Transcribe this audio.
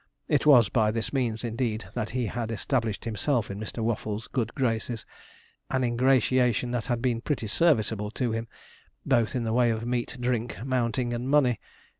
It was by that means, indeed, that he had established himself in Mr. Waffles' good graces an ingratiation that had been pretty serviceable to him, both in the way of meat, drink, mounting, and money.